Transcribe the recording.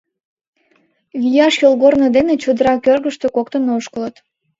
Вияш йолгорно дене чодыра кӧргыштӧ коктын ошкылыт.